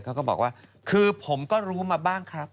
เขาก็บอกว่าคือผมก็รู้มาบ้างครับ